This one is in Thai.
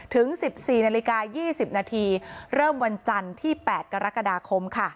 ถึง๑๔นาฬิกา๒๐นาทีเริ่มวันจันทร์ที่๘กรกฎาคมค่ะ